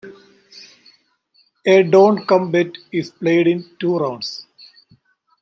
A don't come bet is played in two rounds.